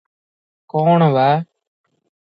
କଣ ବା